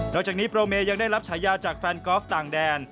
จากนี้โปรเมยังได้รับฉายาจากแฟนกอล์ฟต่างแดน